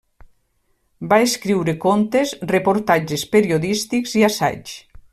Va escriure contes, reportatges periodístics i assaigs.